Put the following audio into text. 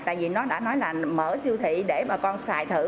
tại vì nó đã nói là mở siêu thị để bà con xài thử